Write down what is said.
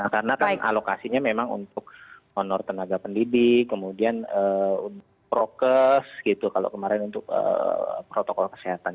karena alokasinya memang untuk honor tenaga pendidik kemudian prokes gitu kalau kemarin untuk protokol kesehatan